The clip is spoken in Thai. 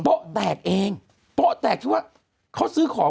เขาอิ่มไปไหนแล้วคุณแม่ก็ไม่รู้ก็บอกมีรถตู้มารับตั้งแต่เมื่อคืนแล้ว